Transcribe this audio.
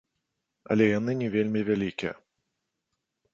Але яны не вельмі вялікія.